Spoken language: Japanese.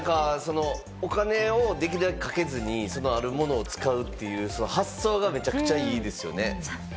お金をできるだけかけずに、あるものを使うという発想がめちゃくちゃいいですよね。